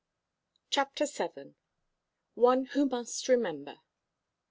CHAPTER VII. ONE WHO MUST REMEMBER.